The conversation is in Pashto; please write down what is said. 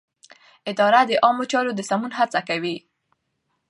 اداره د عامه چارو د سمون هڅه کوي.